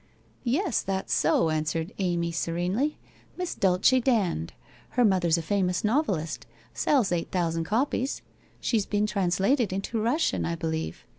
' Yes, that's so,' answered Amy, serenely. ' Miss Dulce Dand, her mother's a famous novelist — sells eight thou sand copies. She's been translated into Russian, I be lieve.